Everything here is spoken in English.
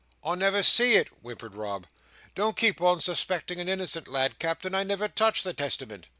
"I never see it," whimpered Rob. "Don't keep on suspecting an innocent lad, Captain. I never touched the Testament."